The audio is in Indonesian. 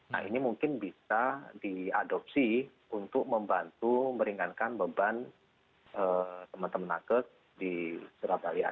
nah ini mungkin bisa diadopsi untuk membantu meringankan beban teman teman nakes di surabaya